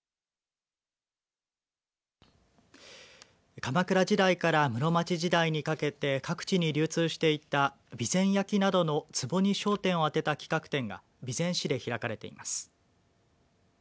鎌倉時代から室町時代にかけて各地に流通していた備前焼などのつぼに焦点をあてた企画展が備前市で開かれています。